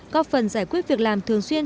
có phần giải quyết việc làm thường xuyên